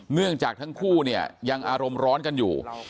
เนื่องจากทั้งคู่เนี่ยยังอารมณ์ร้อนกันอยู่